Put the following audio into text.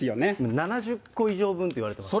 ７０個以上分といわれていますよね。